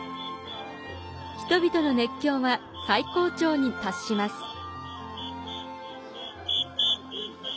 人々の熱狂は最高潮に達します。